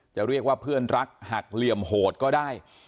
จะเรียกว่าเพื่อนรักหักเหลี่ยมโหดก็ได้